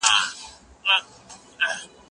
زه پرون شګه پاکوم